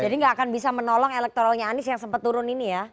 jadi gak akan bisa menolong elektoralnya anies yang sempet turun ini ya